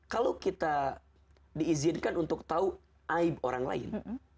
kalau kita diizinkan untuk tahu aib orang lain